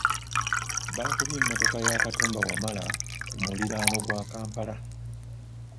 Bakubye emmotoka ya Katumba Wamala ku muliraano gwa Kampala.